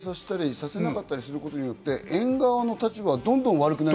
立ち入り調査を遅延させたり、させなかったりすることによって園側の立場はどんどん悪くなる。